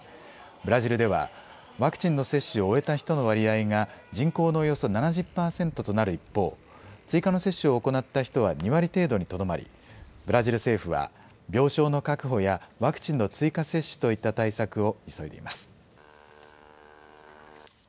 ブラジルではワクチンの接種を終えた人の割合が人口のおよそ７０％となる一方、追加の接種を行った人は２割程度にとどまりブラジル政府は病床の確保やワクチンの追加接種といった対策を急いでいます。